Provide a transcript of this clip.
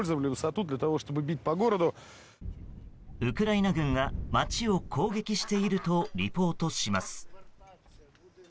ウクライナ軍が街を攻撃しているとリポートします。